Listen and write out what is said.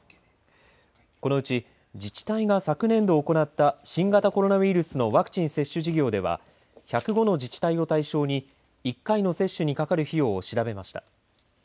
このうち自治体が昨年度行った新型コロナウイルスのワクチン接種事業では１０５の自治体を対象に１回の接種にかかる費用を調べました。